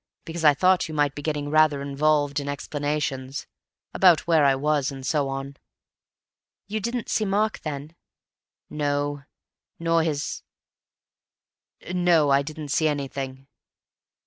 Because I thought you might be getting rather involved in explanations—about where I was, and so on." "You didn't see Mark, then?" "No. Nor his—No, I didn't see anything."